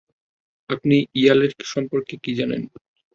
আপনি ইয়ালের সম্পর্কে কী জানেন?